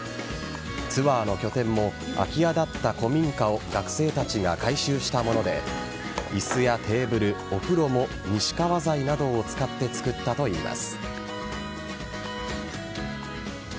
ツアーの拠点も空き家だった古民家を学生たちが改修したもので椅子やテーブル、お風呂も西川材などを使って作ったといいます。